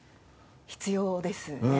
必要ですね。